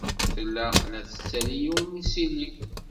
Tella la tettali yiwen n yisili.